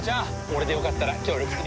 俺でよかったら協力するよ！